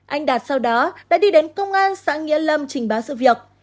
anh đạt sau đó đã đi đến công an xã nghĩa lâm trình báo sự việc